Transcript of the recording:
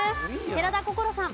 寺田心さん。